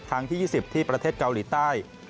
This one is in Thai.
ที่๒๐ที่ประเทศเกาหลีใต้